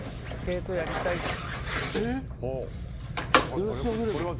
スケートやりたいって言ってるんです。